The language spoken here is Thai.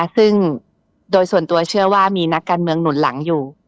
ซึ่งโดยส่วนตัวเชื่อว่ามีนักการเมืองหนุนหลังอยู่